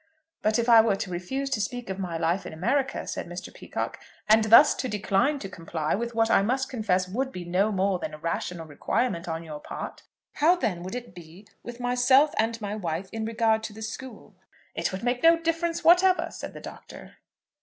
"But if I were to refuse to speak of my life in America," said Mr. Peacocke, "and thus to decline to comply with what I must confess would be no more than a rational requirement on your part, how then would it be with myself and my wife in regard to the school?" "It would make no difference whatever," said the Doctor.